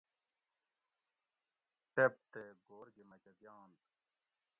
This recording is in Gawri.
ٹیپ تے گھور گی مکہۤ دیانت